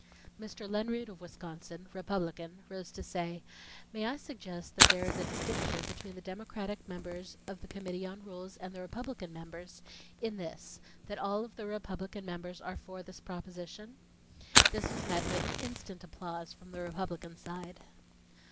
Mr. Lenroot of Wisconsin, Republican, rose to say: "May I suggest that there is a distinction between the Democratic members of the Committee on Rules and the Republican members, in this, that all of the Republican members are for this proposition?" This was met with instant applause from the Republican side.